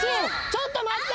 ちょっと待って。